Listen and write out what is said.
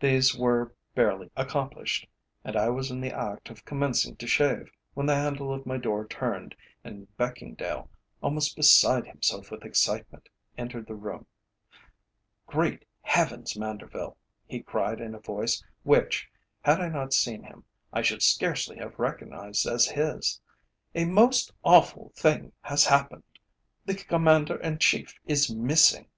These were barely accomplished, and I was in the act of commencing to shave, when the handle of my door turned, and Beckingdale, almost beside himself with excitement, entered the room. "Great Heavens! Manderville," he cried in a voice which, had I not seen him, I should scarcely have recognised as his, "a most awful thing has happened. The Commander in Chief is missing."